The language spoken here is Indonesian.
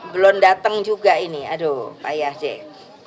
belum datang juga ini aduh payah sih